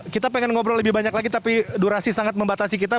kita pengen ngobrol lebih banyak lagi tapi durasi sangat membatasi kita